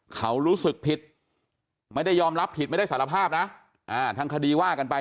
เขารู้สึกผิดไม่ได้ยอมรับผิดไม่ได้สารภาพนะทางคดีว่ากันไป